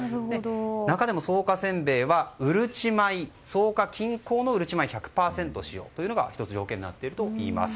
中でも草加せんべいは草加近郊のうるち米１００％使用が１つ条件になっているといいます。